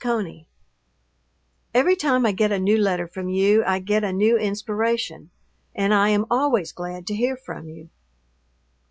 CONEY, Every time I get a new letter from you I get a new inspiration, and I am always glad to hear from you.